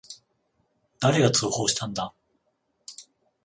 誰が通報したんだ。